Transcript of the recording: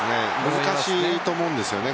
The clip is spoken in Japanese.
難しいと思うんですよね